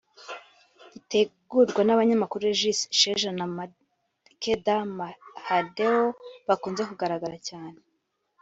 Gitegurwa n’abanyamakuru Regis Isheja na Makeda Mahadeo bakunze kugaragara cyane